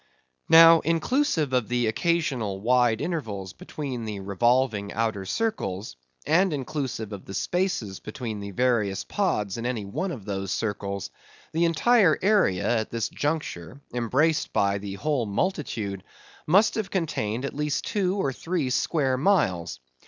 Now, inclusive of the occasional wide intervals between the revolving outer circles, and inclusive of the spaces between the various pods in any one of those circles, the entire area at this juncture, embraced by the whole multitude, must have contained at least two or three square miles.